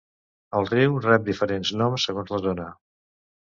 El riu rep diferents noms segons la zona.